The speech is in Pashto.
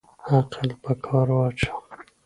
عقل په کار واچوه